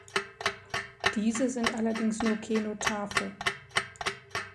Diese sind allerdings nur Kenotaphe.